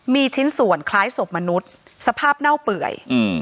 มีชิ้นส่วนคล้ายศพมนุษย์สภาพเน่าเปื่อย